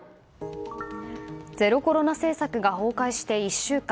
ゼロコロナ政策が崩壊して１週間。